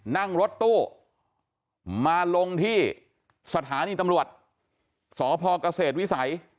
นั่งรถตู้มาลงที่สถานีตำรวจสพเกษตรวิสัย